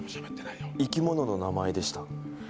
生き物の名前でした。